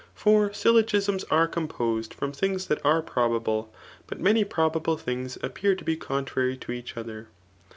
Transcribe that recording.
For syllogisms are composed from things that are pro* bable ; but many probable things appear to be contrary, to each other.